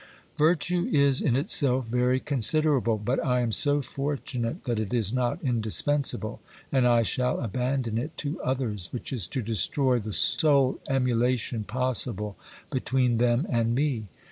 Virtue is, in itself, very consider able, but I am so fortunate that it is not indispensable, and I shall abandon it to others, which is to destroy the sole 24 OBERMANN emulation possible between them and me.